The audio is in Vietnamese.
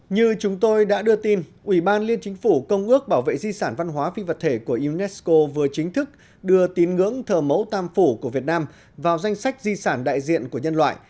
như chúng tôi đã đưa tin ubnd công ước bảo vệ di sản văn hóa phi vật thể của unesco vừa chính thức đưa tín ngưỡng thờ mẫu tam phủ của việt nam vào danh sách di sản đại diện của nhân loại